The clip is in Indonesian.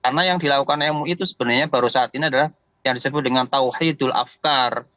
karena yang dilakukan mui itu sebenarnya baru saat ini adalah yang disebut dengan tauhidul afqar